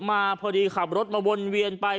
มาพอดีขับรถมาวนเวียนไป